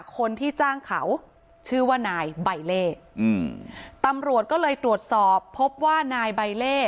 คนที่จ้างเขาชื่อว่านายใบเล่อืมตำรวจก็เลยตรวจสอบพบว่านายใบเล่